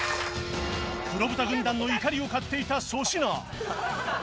黒豚軍団の怒りを買っていた粗品